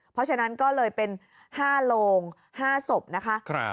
เพราะฉะนั้นก็เลยเป็น๕โลง๕ศพนะคะ